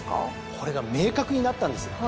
これが明確になったんですよ。